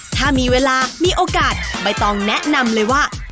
ถ้ามีเวลามีโอกาสไม่ต้องแนะนำเลยว่าที่นี่มีอะไร